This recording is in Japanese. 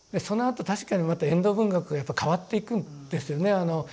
そのあと確かにまた遠藤文学がやっぱり変わっていくんですよね。